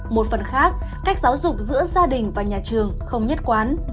một phần khác cách giáo dục giữa gia đình và nhà trường không nhất quán